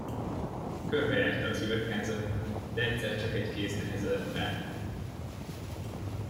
Körbejárta az üvegházat, de egyszer csak egy kéz nehezedett rá.